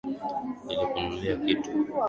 Nilikununulia kitu.